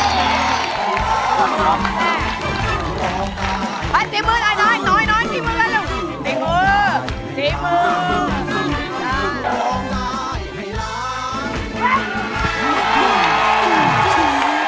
สิมือ